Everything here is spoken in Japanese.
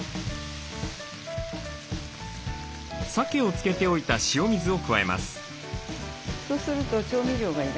さけを漬けておいた塩水を加えます。